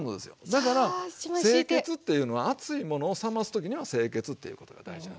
だから清潔っていうのは熱いものを冷ます時には清潔っていうことが大事なんです。